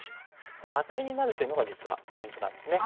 このアタリになるっていうのが実はポイントなんですね。